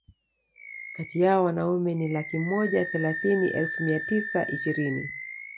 kati yao Wanaume ni laki moja thelathini elfu mia tisa ishirini